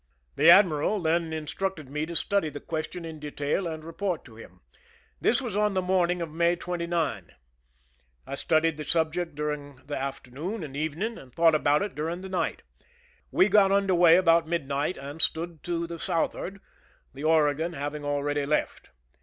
The admiral then instructed me to study the ques tion in detail and report to him. This was on the morning of May 29. I studied the subject during the afternoon and evening, and thought about it during the night. We got under way about mid night, and stood to the southward, the Oregon hav ing already left.